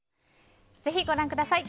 ぜひご覧ください。